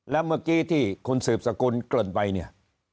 แล้วเมื่อกี้ที่คุณสืบสกุลเกริ่นไปเนี่ย